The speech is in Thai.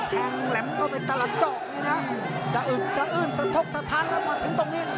แทงแหลมเข้าไปตลาดเจาะนี่นะสะอึดสะอื่นสะทุกสะทันแล้วมาถึงตรงนี้